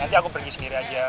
nanti aku pergi sendiri aja